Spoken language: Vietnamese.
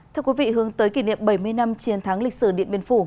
thưa quý vị hướng tới kỷ niệm bảy mươi năm chiến thắng lịch sử điện biên phủ